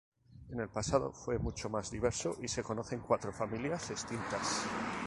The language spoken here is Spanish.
En el pasado fue mucho más diverso y se conocen cuatro familias extintas.